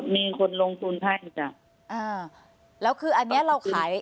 มีคนลงทุนให้จ้ะอ่าแล้วคืออันเนี้ยเราขาย